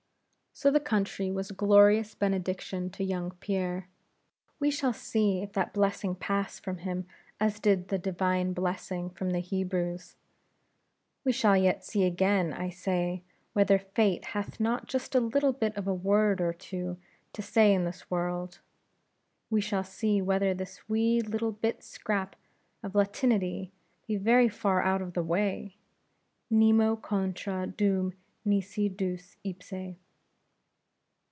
So the country was a glorious benediction to young Pierre; we shall see if that blessing pass from him as did the divine blessing from the Hebrews; we shall yet see again, I say, whether Fate hath not just a little bit of a word or two to say in this world; we shall see whether this wee little bit scrap of latinity be very far out of the way _Nemo contra Deum nisi Deus ipse.